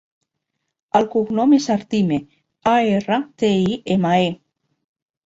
El cognom és Artime: a, erra, te, i, ema, e.